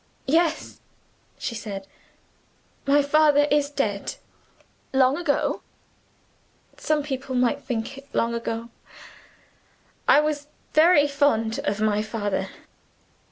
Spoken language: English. "Yes," she said, "my father is dead." "Long ago?" "Some people might think it long ago. I was very fond of my father.